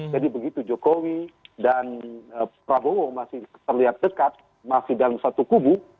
jadi begitu jokowi dan prabowo masih terlihat dekat masih dalam satu kubu